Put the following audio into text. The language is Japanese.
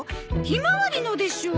ひまわりのでしょ。